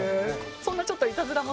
そんなちょっといたずらも。